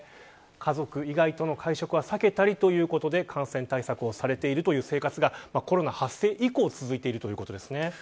家族以外との会食は避けたりということで感染対策をされているという生活が、コロナ発生以降続いているということですね。